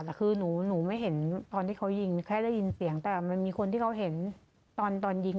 แต่คือหนูไม่เห็นตอนที่เขายิงแค่ได้ยินเสียงแต่มันมีคนที่เขาเห็นตอนยิง